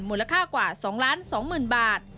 มูลค่ากว่า๒๒๐๐๐บาท